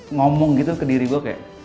ngomong gitu ke diri gue kayak